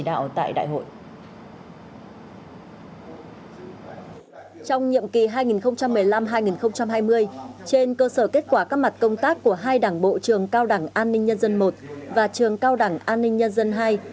trong nhiệm kỳ hai nghìn một mươi năm hai nghìn hai mươi trên cơ sở kết quả các mặt công tác của hai đảng bộ trường cao đẳng an ninh nhân dân i và trường cao đẳng an ninh nhân dân ii